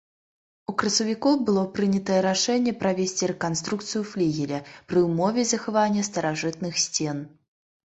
У красавіку было прынятае рашэнне правесці рэканструкцыю флігеля пры ўмове захавання старажытных сцен.